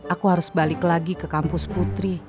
aku harus balik lagi ke kampus putri